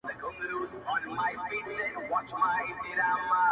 وځان ته بله زنده گي پيدا كړه!